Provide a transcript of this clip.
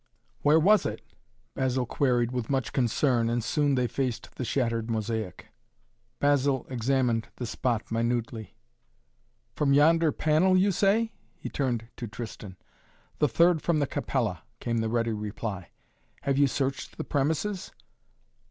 "Where was it?" Basil queried with much concern and soon they faced the shattered mosaic. Basil examined the spot minutely. "From yonder panel, you say?" he turned to Tristan. "The third from the Capella," came the ready reply. "Have you searched the premises?"